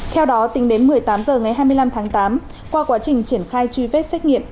theo đó tính đến một mươi tám h ngày hai mươi năm tháng tám qua quá trình triển khai truy vết xét nghiệm